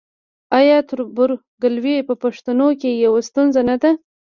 آیا تربورګلوي په پښتنو کې یوه ستونزه نه ده؟